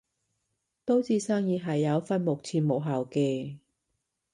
都知生意係有分幕前幕後嘅